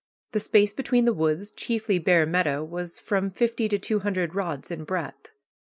The space between the woods, chiefly bare meadow, was from fifty to two hundred rods in breadth.